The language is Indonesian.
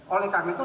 oleh karena itu